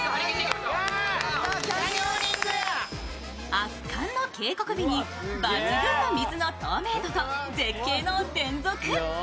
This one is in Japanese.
圧巻の渓谷美に抜群の水の透明度と絶景の連続。